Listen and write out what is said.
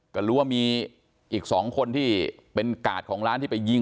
ก็รู้ว่ามีอีก๒คนที่เป็นกาดของร้านที่ไปยิง